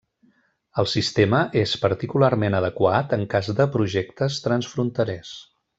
El sistema és particularment adequat en cas de projectes transfronterers.